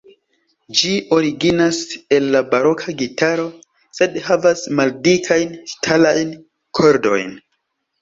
Ĝi originas el la baroka gitaro, sed havas maldikajn ŝtalajn kordojn.